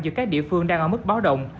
giữa các địa phương đang ở mức báo động